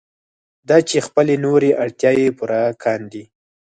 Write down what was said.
دا چې خپلې نورې اړتیاوې پوره کاندي.